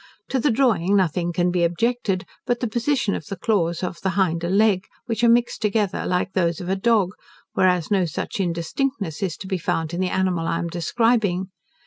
To the drawing nothing can be objected but the position of the claws of the hinder leg, which are mixed together like those of a dog, whereas no such indistinctness is to be found in the animal I am describing.